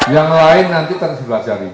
yang lain nanti tanggung sebelah jari